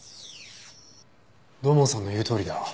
土門さんの言うとおりだ。